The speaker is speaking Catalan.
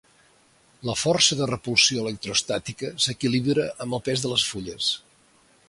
La força de repulsió electroestàtica s'equilibra amb el pes de les fulles.